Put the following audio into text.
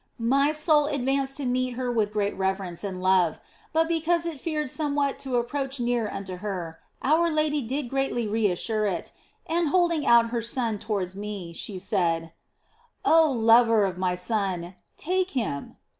My soul advanced to meet her with great reverence and love ; but because it feared somewhat to approach near unto her, our Lady did greatly reassure it, and holding out her Son towards me, she said, " Oh lover of my Son, take Him